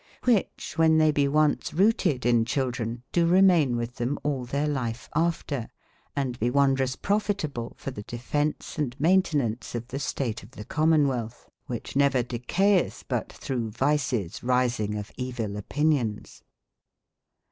QIhich when they be once rooted in children, do remayne with themall their lifeafter,&be wonders profitable for the defence and mainten aunceof the state of thecommenwelth. ^hicheneverdecaieth but throughe vices risinge of evill opinions.